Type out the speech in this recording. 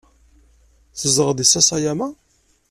Tzedɣeḍ deg Sasayama?